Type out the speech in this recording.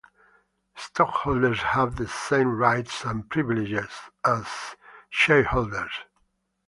Stockholders have the same rights and privileges as shareholders.